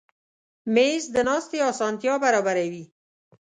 مېز د ناستې اسانتیا برابروي.